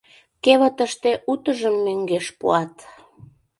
Кевытыште утыжым мӧҥгеш пуат...